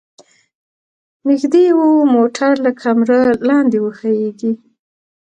نږدې و موټر له کمره لاندې وښویيږي.